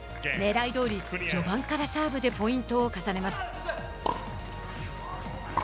ねらいどおり、序盤からサーブでポイントを重ねます。